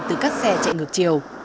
từ các xe chạy ngược chiều